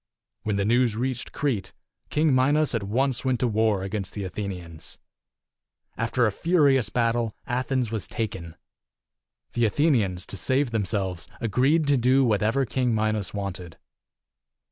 When the news reached Crete, King Minos at once went to war against the Athenians. After a furious battle, Athens was taken. The Athe nians, to save themselves, agreed to do what ever King Minos wanted.